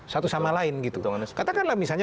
satu sama lain gitu katakanlah misalnya